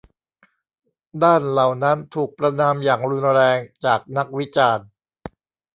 ด้านเหล่านั้นถูกประณามอย่างรุนแรงจากนักวิจารณ์